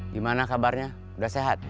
gimana kabarnya udah sehat